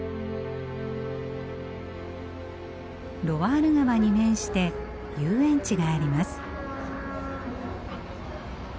ロワール川に面して遊園地があります。